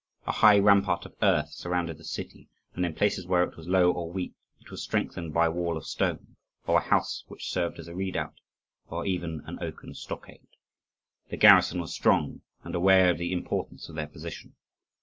A high rampart of earth surrounded the city; and in places where it was low or weak, it was strengthened by a wall of stone, or a house which served as a redoubt, or even an oaken stockade. The garrison was strong and aware of the importance of their position.